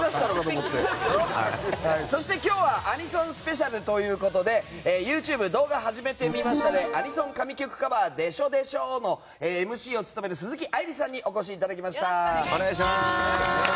そして今日はアニソンスペシャルということでＹｏｕＴｕｂｅ「動画、はじめてみました」で「アニソン神曲カバーでしょｄｅショー！！」のＭＣを務める鈴木愛理さんにお越しいただきました。